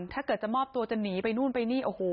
ถ้าเกิดจะมอบตัวจะหนีไปนู่นไปนี่โอ้โห